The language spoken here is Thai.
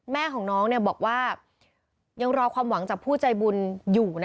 แม่ของน้องบอกว่ายังรอความหวังจากผู้ใจบุญอยู่